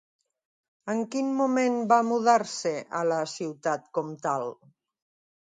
En quin moment va mudar-se a la ciutat comtal?